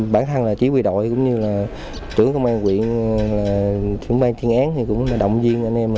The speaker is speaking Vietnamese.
bản thân là chỉ huy đội cũng như là trưởng công an huyện trưởng ban thiên án thì cũng động viên anh em